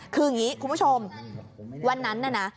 คืออย่างนี้คุณผู้ชมวันนั้นน่ะนะ